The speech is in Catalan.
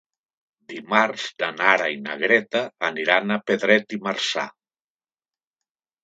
Dimarts na Nara i na Greta aniran a Pedret i Marzà.